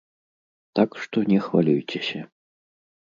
Так што не хвалюйцеся.